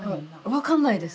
分かんないんです。